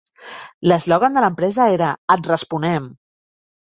L'eslògan de l'empresa era "Et responem".